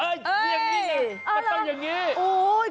มันต้องอย่างงี้